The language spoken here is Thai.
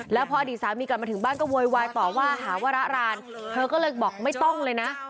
แล้วพออดีตสามีกลับมาถึงบ้านก็โวยวายต่อว่าหาวระรานเธอก็เลยบอกไม่ต้องเลยนะ